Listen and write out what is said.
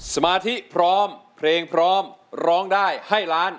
สมาธิพร้อมเพลงพร้อมร้องได้ให้ล้าน